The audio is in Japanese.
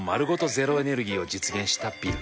ゼロエネルギーを実現したビル。